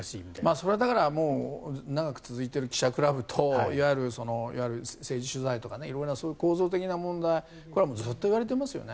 それは長く続いている記者クラブといわゆる政治取材とか色々なそういう構造的な問題はずっと言われてますよね。